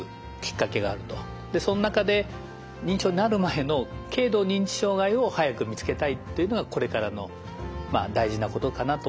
その中で認知症になる前の軽度認知障害を早く見つけたいというのがこれからの大事なことかなと思っています。